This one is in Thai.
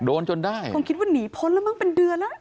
จนได้คงคิดว่าหนีพ้นแล้วมั้งเป็นเดือนแล้ว